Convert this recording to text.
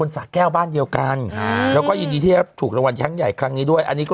เสร็จทีใหม่บ้าน